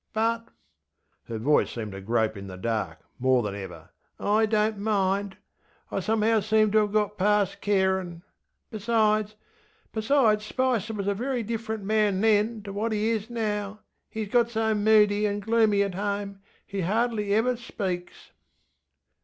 ButŌĆÖ (her voice seemed to grope in the dark more than ever) ŌĆśI donŌĆÖt mind, ŌĆö I somehow seem to have got past carinŌĆÖ. BesidesŌĆöbesides, Spicer was a very different man then to what he is now. HeŌĆÖs got so moody and gloomy at home, he hardly ever speaks.